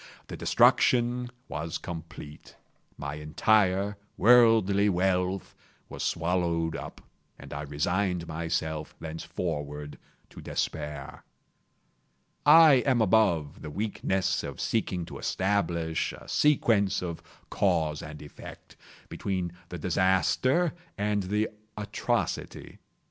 The destruction was complete. My entire worldly wealth was swallowed up, and I resigned myself thenceforward to despair. I am above the weakness of seeking to establish a sequence of cause and effect, between the disaster and the atrocity.